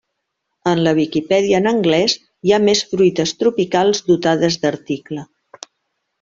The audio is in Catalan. En la Wikipedia en anglès hi ha més fruites tropicals dotades d'article.